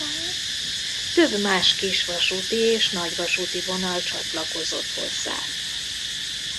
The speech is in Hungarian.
Több más kisvasúti és nagyvasúti vonal csatlakozott hozzá.